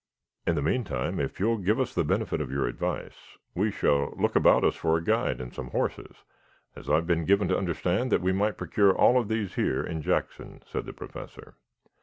"In the meantime, if you will give us the benefit of your advice, we shall look about us for a guide and for some horses, as I have been given to understand that we might procure all of these here in Jackson," said the Professor.